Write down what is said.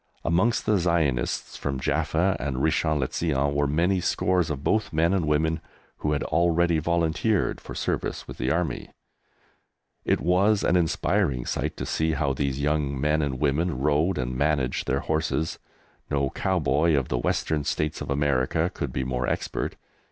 Amongst the Zionists from Jaffa and Richon le Zion were many scores of both men and women who had already volunteered for service with the Army. It was an inspiring sight to see how these young men and women rode and managed their horses. No cowboy of the Western States of America could be more expert.